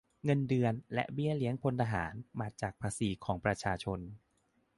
เงินเดือน และเบี้ยเลี้ยงพลทหาร มาจากภาษีของประชาชน